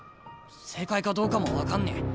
正解かどうかも分かんねえ。